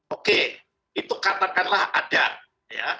oke itu katakanlah ada ya